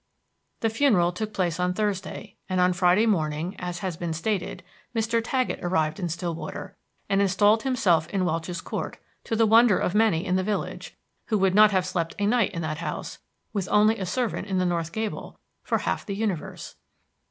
The funeral took place on Thursday, and on Friday morning, as has been stated, Mr. Taggett arrived in Stillwater, and installed himself in Welch's Court, to the wonder of many in the village, who would not have slept a night in that house, with only a servant in the north gable, for half the universe.